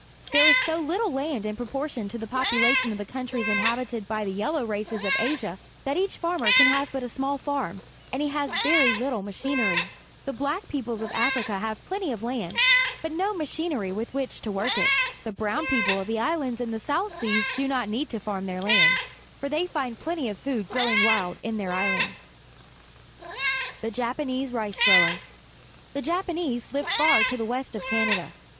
There is so little land in proportion to the population of the countries inhabited by the yellow races of Asia that each farmer can have but a small farm, and he has very little machinery. The black peoples of Africa have plenty of land, but no machinery with which to work it. The brown people of the islands in the South Seas do not HOW MAN OBTAINS FOOD FEOM THE SOIL 21 for they find wild in their need to farm their lands plenty of food growing islands. The Japanese Rice grower. — The Japa nese live far to the west of Canada.